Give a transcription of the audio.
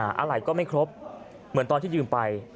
อะไรก็ไม่ครบเหมือนตอนที่ยืมไป